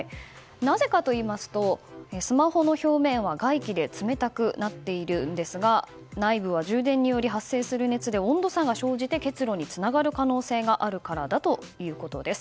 なぜかといいますとスマホの表面は外気で冷たくなっているんですが内部は充電により発生する熱で温度差が生じて結露につながる可能性があるからだということです。